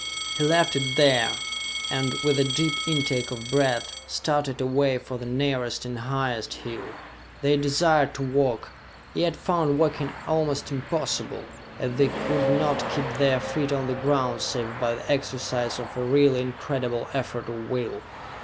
He left it there and, with a deep intake of breath, started away for the nearest and highest hill. They desired to walk, yet found walking almost impossible, as they could not keep their feet on the ground save by the exercise of a really incredible effort of will.